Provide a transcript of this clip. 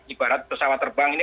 ibarat pesawat terbang ini